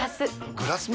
グラスも？